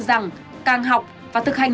rằng càng học và thực hành